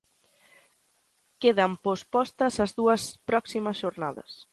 Quedan pospostas as dúas próximas xornadas.